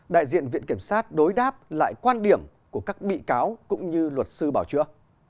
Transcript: đại diện viện kiểm sát đối đáp lại quan điểm của các bị cáo cũng như luật sư bảo chữa